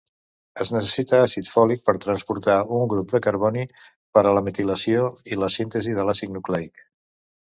Es necessita àcid fòlic per transportar un grup del carboni per a la metilació i la síntesi de l"àcid nucleic.